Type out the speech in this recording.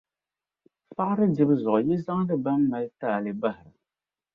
faɣiri dibu zuɣu yi zaŋdi bɛn mali taali bahira.